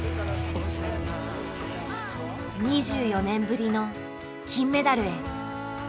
２４年ぶりの金メダルへ。